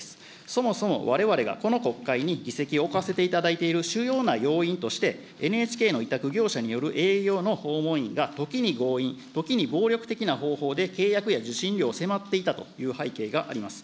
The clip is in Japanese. そもそも、われわれがこの国会に議席を置かせていただいている主要な要因として、ＮＨＫの委託業者による営業の訪問員が時に強引、時に暴力的な方法で、契約や受信料を迫っていたという背景があります。